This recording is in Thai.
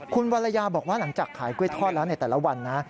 คุณวรรยาบอกว่าหลังจากขายกล้วยทอดแล้วในแต่ละวันนะ